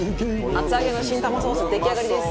厚揚げの新玉ソース出来上がりです。